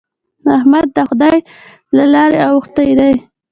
احمد د خدای له لارې اوښتی دی.